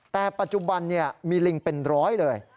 แต่ปัจจุบันมีลิงเป็นร้อยเลย